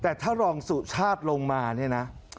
แต่ถ้ารองสุชาติลงมาเนี่ยนะ